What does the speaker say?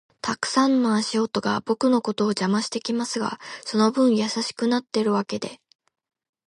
たくさんの足跡が僕のことを邪魔してきますが、その分優しくなってるわけで